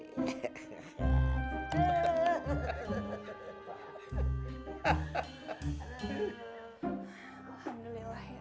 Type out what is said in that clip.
alhamdulillah ya allah